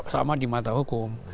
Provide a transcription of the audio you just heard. sama di mata hukum